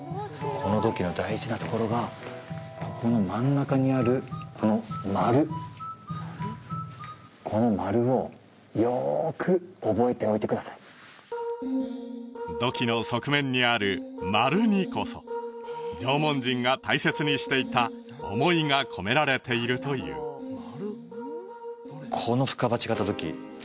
この土器の大事なところがここの真ん中にあるこの丸この丸をよく覚えておいてください土器の側面にある丸にこそ縄文人が大切にしていた思いが込められているというこの深鉢型土器